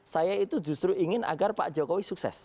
saya itu justru ingin agar pak jokowi sukses